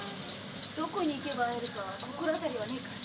どこに行けば会えるか心当たりはねえかい？